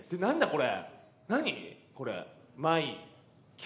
これ。